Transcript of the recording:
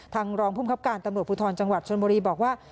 รองภูมิครับการตำรวจภูทรจังหวัดชนบุรีบอกว่า